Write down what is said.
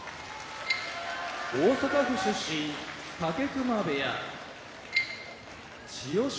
大阪府出身武隈部屋千代翔